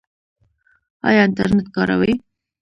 ایا انټرنیټ کاروئ؟